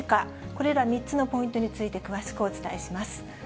これら３つのポイントについて詳しくお伝えします。